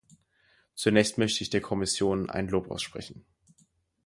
Zunächst möchte ich der Kommission ein Lob aussprechen.